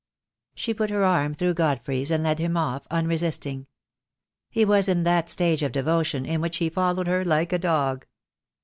She put her arm through Godfrey's and led him off, unresisting. He was in that stage of devotion in which he followed her like a dog.